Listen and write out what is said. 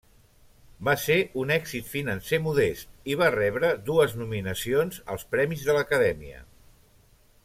Va ser un èxit financer modest i va rebre dues nominacions als Premis de l'Acadèmia.